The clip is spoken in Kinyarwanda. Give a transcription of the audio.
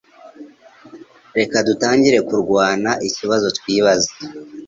Reka dutangire kurwana ikibazo twibaza